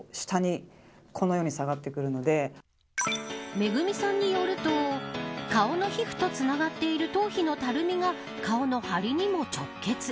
ＭＥＧＵＭＩさんによると顔の皮膚とつながっている頭皮のたるみが顔のはりにも直結。